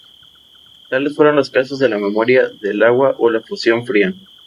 Tales fueron los casos de la memoria del agua o la fusión fría.